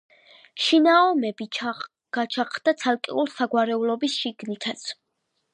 შინაომები გაჩაღდა ცალკეულ საგვარეულოებს შიგნითაც.